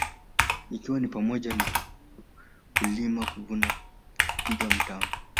Ikiwa ni pamoja na kulima kuvuna kupiga mtama